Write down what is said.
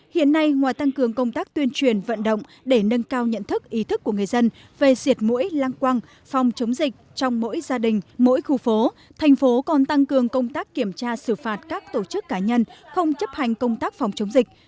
hiện nay ngoài tăng cường công tác tuyên truyền vận động để nâng cao nhận thức ý thức của người dân về diệt mũi lăng quăng phòng chống dịch trong mỗi gia đình mỗi khu phố thành phố còn tăng cường công tác kiểm tra xử phạt các tổ chức cá nhân không chấp hành công tác phòng chống dịch